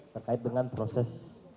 terkait dengan proses